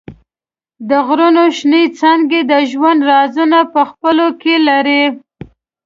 د غرونو شنېڅانګې د ژوند رازونه په خپلو کې لري.